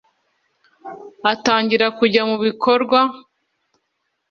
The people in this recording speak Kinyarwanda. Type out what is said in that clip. atangirira kujya mu bikorwa